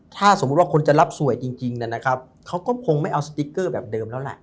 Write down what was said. ถ้าสมมุติว่าคนจะรับสวยจริงนะครับเขาก็คงไม่เอาสติ๊กเกอร์แบบเดิมแล้วแหละ